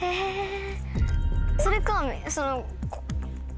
それかその。